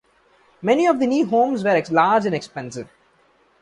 Many of the new homes were large and expensive.